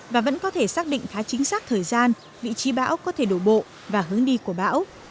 và vẫn có thể xác định khá chính xác thời gian vị trí bão có thể đổ bộ và hướng đi của bão